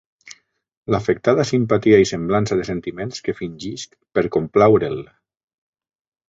L'afectada simpatia i semblança de sentiments que fingisc per complaure'l!